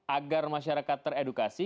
agar masyarakat teredukasi